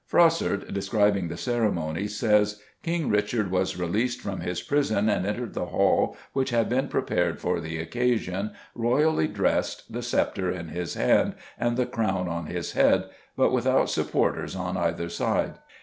Froissart, describing the ceremony, says, "King Richard was released from his prison and entered the hall which had been prepared for the occasion, royally dressed, the sceptre in his hand and the crown on his head, but without supporters on either side."